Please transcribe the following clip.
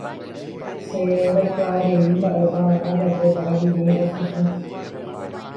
che ndaikuaairei mba'épa ajapóta aryrýi asusũ